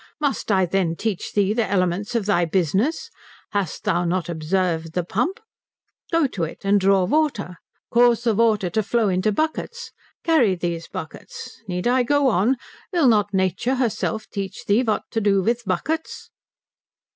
Must I then teach thee the elements of thy business? Hast thou not observed the pump? Go to it, and draw water. Cause the water to flow into buckets. Carry these buckets need I go on? Will not Nature herself teach thee what to do with buckets?"